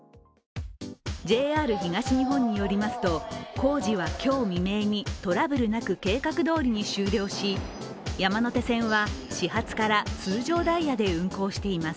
ＪＲ東日本によりますと工事は今日未明にトラブルなく計画どおりに終了し山手線は始発から通常ダイヤで運行しています。